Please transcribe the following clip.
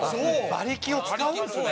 馬力を使うんですね。